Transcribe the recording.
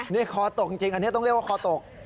นี่คอตกจริงอันนี้ต้องเรียกว่าคอตก